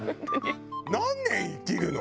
何年生きるの？